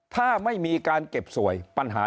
ผ้ามี่การเก็บสวยปัญหา